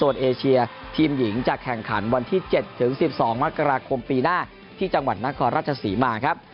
ส่วนเอเชียทีมหญิงจะแข่งขันวันที่๗๑๒มกราคมปีหน้าที่จังหวัดนครราชศรีมาครับ